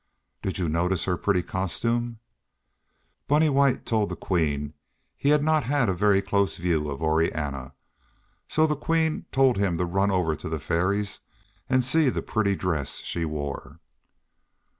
"Did you notice her pretty costume?" Bunny White told the Queen he had not had a very close view of Orianna, so the Queen told him to run over to the Fairies and see the pretty dress she wore.